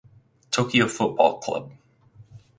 Tokyo football club.